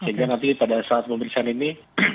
sehingga nanti pada saat pemeriksaan ini